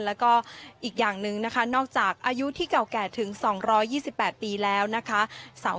แล้วก็อีกอย่างหนึ่งนะคะนอกจากอายุที่เก่าแก่ถึงสองร้อยยี่สิบแปดปีแล้วนะคะ